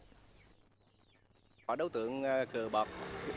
họ đấu tượng cờ bạc